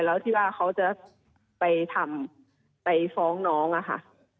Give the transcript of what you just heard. แล้วที่ว่าเขาจะไปทำไปฟ้องน้องอะค่ะ